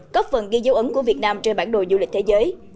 cấp phần ghi dấu ấn của việt nam trên bản đồ du lịch thế giới